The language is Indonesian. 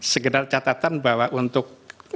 segedar catatan bahwa untuk